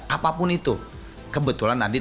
apapun itu kebetulan adit bisa main musik